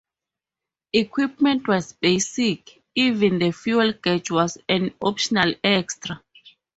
Equipment was basic, even the fuel gauge was an optional extra.